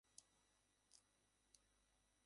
এটির সদর দপ্তর পাকিস্তানের ইসলামাবাদ অবস্থিত।